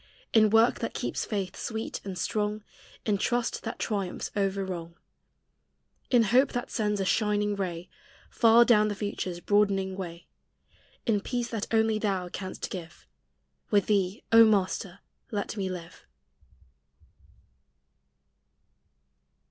In work that keeps faith sweet and strong, In trust that triumphs over wrong, In hope that sends a shining ray Far down the future's broadening way ? In peace that only thou canst give, With thee, O Master, let me live!